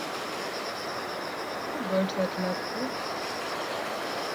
Both enclosures were protected by palisades.